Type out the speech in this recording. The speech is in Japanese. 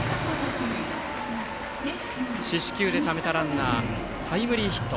四死球でためたランナータイムリーヒット。